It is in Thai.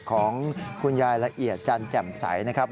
ของคุณยายละเอียดจันแจ่มใสนะครับ